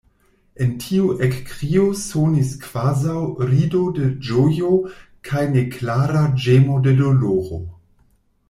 En tiu ekkrio sonis kvazaŭ rido de ĝojo kaj neklara ĝemo de doloro.